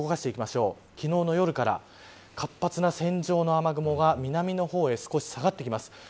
昨日の夜から活発な線状の雨雲が南の方へ少し下がってきます。